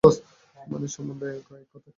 মনের সম্বন্ধেও ঐ এক কথা।